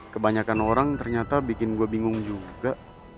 kebanyakan orang ternyata bikin gue bingung juga